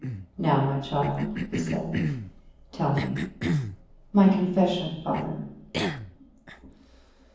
"Now, my child," he said, "tell me." "My confession, father."